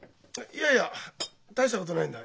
いやいや大したことないんだ。